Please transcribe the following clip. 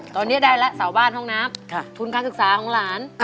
ตอนนี้ได้แล้วเสาบ้านห้องน้ำทุนการศึกษาของหลาน